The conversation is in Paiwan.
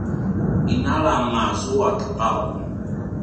inalang azua ta qau